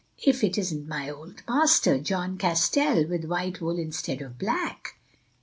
If it isn't my old master, John Castell, with white wool instead of black!"